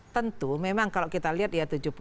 tentu memang kalau kita lihat ya